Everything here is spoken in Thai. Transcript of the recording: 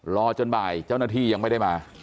รอจนบ่ายเจ้าหน้าที่ยังไม่ได้มา